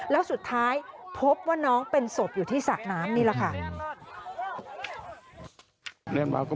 แล้วสุดท้ายพบว่าน้องเป็นศพอยู่ที่สระน้ำนี่แหละค่ะ